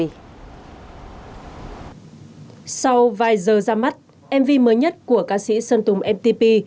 sau vài giờ ra mắt mv mới nhất của ca sĩ sơn tùng mtp